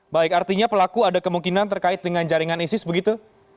baik artinya pelaku ada kemungkinan terkait dengan jaringan isis begitu